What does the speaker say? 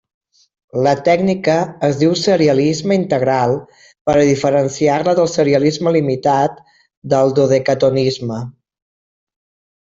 La tècnica es diu serialisme integral per a diferenciar-la del serialisme limitat del dodecatonisme.